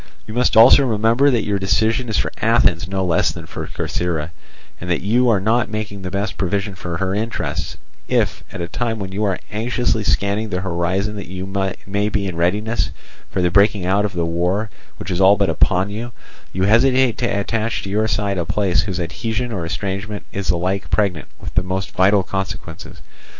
You must also remember that your decision is for Athens no less than Corcyra, and that you are not making the best provision for her interests, if at a time when you are anxiously scanning the horizon that you may be in readiness for the breaking out of the war which is all but upon you, you hesitate to attach to your side a place whose adhesion or estrangement is alike pregnant with the most vital consequences.